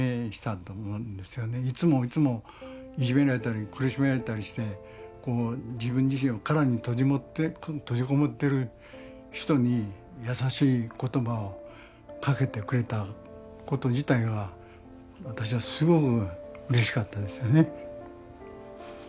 いつもいつもいじめられたり苦しめられたりして自分自身の殻に閉じこもってる人に優しい言葉をかけてくれたこと自体が私はすごくうれしかったですよね。